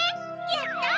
やった！